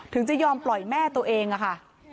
จะยอมปล่อยแม่ตัวเองอะค่ะ